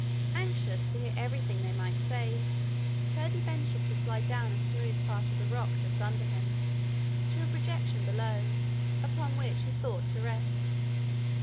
Anxious to hear everything they might say, Curdie ventured to slide down a smooth part of the rock just under him, to a projection below, upon which he thought to rest.